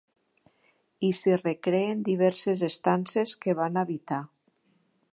I s'hi recreen diverses estances que van habitar.